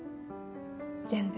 全部。